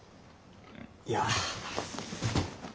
いや。